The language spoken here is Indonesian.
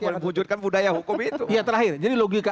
untuk mewujudkan budaya hukum itu ya terakhir jadi logika